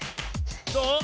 どう？